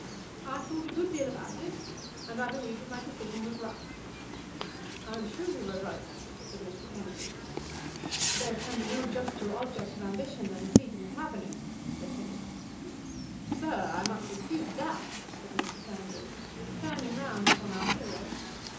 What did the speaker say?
I thought a good deal about it, and I believe that my decision was right." "I am sure you were right," said Mr. Kennedy. "There can be no juster object of ambition than a seat in the Cabinet," said Phineas. "Sir, I must dispute that," said Mr. Turnbull, turning round upon our hero.